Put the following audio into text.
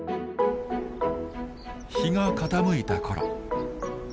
日が傾いた頃。